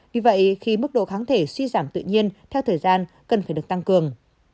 vì vậy khi mức độ kháng thể suy giảm tự nhiên theo thời gian cần phải được tăng cường